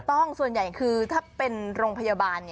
ส่วนใหญ่คือถ้าเป็นโรงพยาบาล